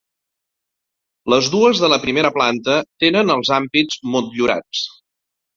Les dues de la primera planta tenen els ampits motllurats.